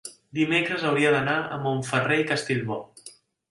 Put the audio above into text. dimecres hauria d'anar a Montferrer i Castellbò.